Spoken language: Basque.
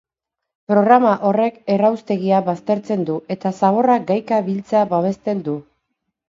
Programa horrek erraustegia baztertzen du eta zaborra gaika biltzea babesten du.